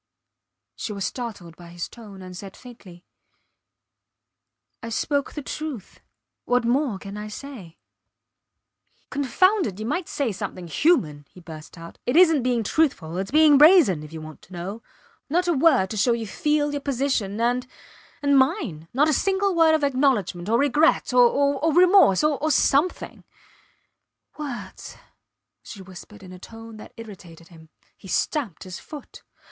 She was startled by his tone, and said faintly I spoke the truth. What more can I say? Confound it! You might say something human, he burst out. It isnt being truthful; its being brazen if you want to know. Not a word to show you feel your position, and and mine. Not a single word of acknowledgment, or regret or remorse ... or ... something. Words! she whispered in a tone that irritated him. He stamped his foot.